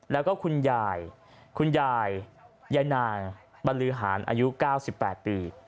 แล้วก็คุณยายคุณยายนางบรรลือหารอายุ๙๘ปี